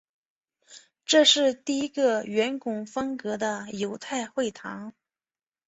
这是第一个圆拱风格的犹太会堂。